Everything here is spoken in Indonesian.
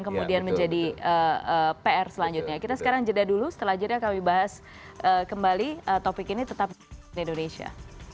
kemudian menjadi pr selanjutnya kita sekarang jeda dulu setelah jeda kami bahas kembali topik ini tetap di indonesia